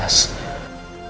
anak pertindak di luar batas